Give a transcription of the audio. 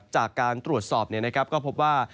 จากการตรวจสอบก็พบว่า